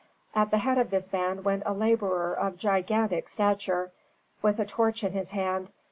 At the head of this band went a laborer of gigantic stature, with a torch in his hand.